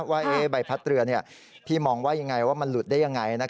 ว่าใบพัดเรือนี่พี่มองว่าอย่างไรว่ามันหลุดได้อย่างไร